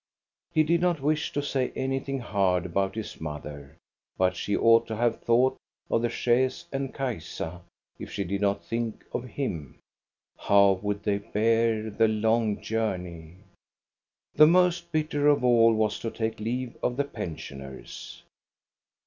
He did not wish to say anything hard about his mother; but she ought to have thought of the chaise and Kajsa, if she did not think of him. How would they bear the long journey.' The most bitter of all was to take leave of the pensioners.